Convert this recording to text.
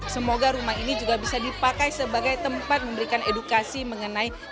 semoga rumah ini juga bisa dipakai sebagai tempat memberikan edukasi mengenai